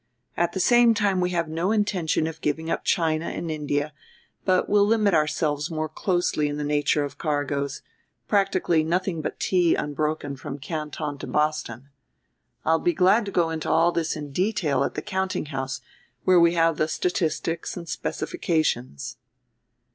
At the same time we have no intention of giving up China and India, but we'll limit ourselves more closely in the nature of the cargoes, practically nothing but tea unbroken from Canton to Boston. I'll be glad to go into all this in detail at the countinghouse, where we have the statistics and specifications."